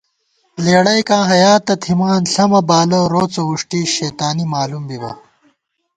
لېڑَئیکاں حیا تہ تھِمان، ݪَمہ بالہ روڅہ ووݭٹی شیتانی مالُوم بِبہ